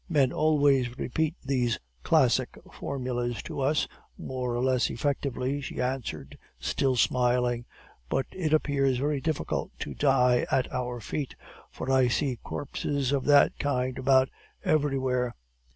"'Men always repeat these classic formulas to us, more or less effectively,' she answered, still smiling. 'But it appears very difficult to die at our feet, for I see corpses of that kind about everywhere.